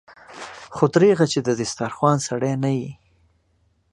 خو دريغه چې د دسترخوان سړی نه دی.